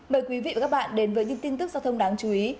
mời quý vị và các bạn đến với những tin tức giao thông đáng chú ý